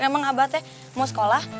emang abah teh mau sekolah